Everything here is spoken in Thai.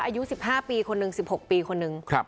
อายุสิบห้าปีคนหนึ่งสิบหกปีคนหนึ่งครับ